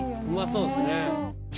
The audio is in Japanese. うまそうですね。